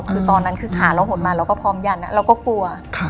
คือตอนนั้นคือขาเราหดมาเราก็พร้อมยันเราก็กลัว